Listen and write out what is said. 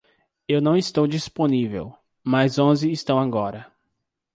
Eu não estou disponível, mas onze estão agora.